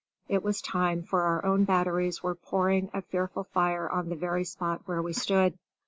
It was time, for our own batteries were pouring a fearful fire on the very spot where we stood.